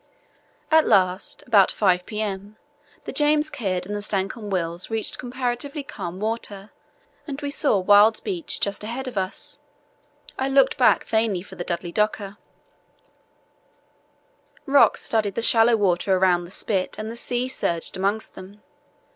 At last, about 5 p.m., the James Caird and the Stancomb Wills reached comparatively calm water and we saw Wild's beach just ahead of us. I looked back vainly for the Dudley Docker. Rocks studded the shallow water round the spit and the sea surged amongst them.